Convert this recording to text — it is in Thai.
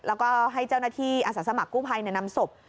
แล้วก็ให้เจ้าหน้าที่อาสาสมัครกู้ภัยนำศพ